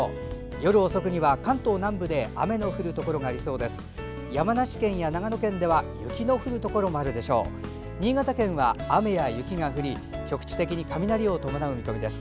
夜遅くには関東南部で雨の降るところがありそうです。